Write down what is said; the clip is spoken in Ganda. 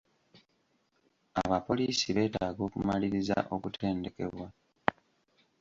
Abapoliisi beetaaga okumalirirza okutendekebwa.